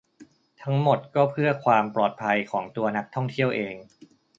ทั้งหมดก็เพื่อความปลอดภัยของตัวนักท่องเที่ยวเอง